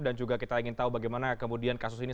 dan juga kita ingin tahu bagaimana kemudian kasus ini